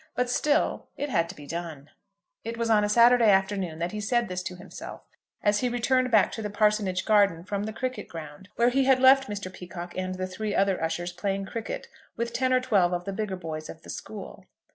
But still it had to be done. It was on a Saturday afternoon that he said this to himself, as he returned back to the parsonage garden from the cricket ground, where he had left Mr. Peacocke and the three other ushers playing cricket with ten or twelve of the bigger boys of the school.